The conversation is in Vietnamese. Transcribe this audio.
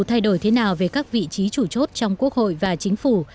thay đổi thế nào về các vị trí chủ chốt trong quốc hội và chính phủ